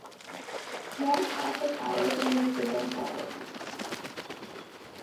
More Catholic Irish enlisted than Protestants.